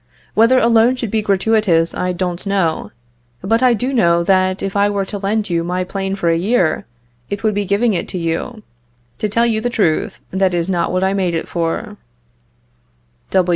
Whether a loan should be gratuitous I don't know; but I do know that if I were to lend you my plane for a year, it would be giving it to you. To tell you the truth, that is not what I made it for.